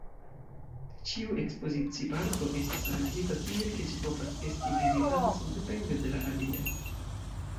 Ĉiu ekspozici-parto estas aranĝita tiel, ke ĝi povas esti vizitata sendepende de la aliaj.